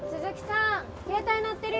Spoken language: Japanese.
鈴木さん